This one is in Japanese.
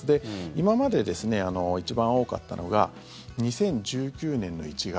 今までで一番多かったのが２０１９年の１月。